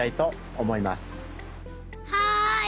はい！